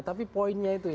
tapi poinnya itu